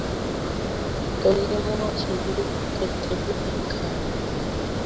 kokimwochi biik kotepii en kaa